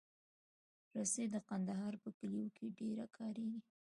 رسۍ د کندهار په کلیو کې ډېره کارېږي.